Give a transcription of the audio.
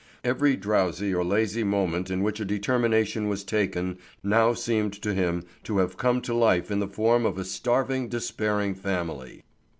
Every drowsy or lazy moment in which a determination was taken now seemed to him to have come to life in the form of a starving, despairing family.